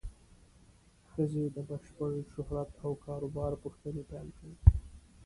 ښځې د بشپړ شهرت او کار و بار پوښتنې پیل کړې.